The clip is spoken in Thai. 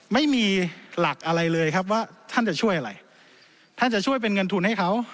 ไม่มีหลักอะไรเลยครับว่าท่านจะช่วยอะไรท่านจะช่วยเป็นเงินทุนให้เขา